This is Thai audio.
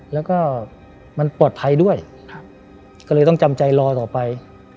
แล้วก็มันปลอดภัยด้วยก็เลยต้องจำใจรอต่อไป